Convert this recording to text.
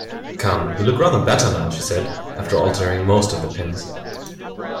‘Come, you look rather better now!’ she said, after altering most of the pins.